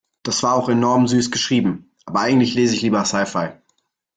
Die war auch enorm süß geschrieben. Aber eigentlich lese ich lieber Sci-Fi.